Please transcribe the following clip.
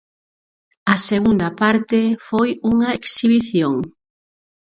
A segunda parte foi unha exhibición.